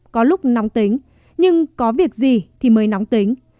có lúc nóng tính nhưng có việc gì thì mới nóng tính